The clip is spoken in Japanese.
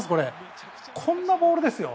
こんなボールですよ。